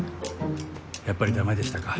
やっぱり駄目でしたか。